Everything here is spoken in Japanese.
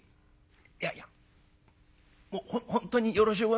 「いやいやもう本当によろしゅうございます。